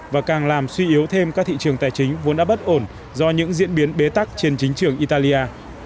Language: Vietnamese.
và càng làm suy yếu thêm các thị trường tài chính vốn đã bất ổn do những diễn biến bế tắc trên chính trường italia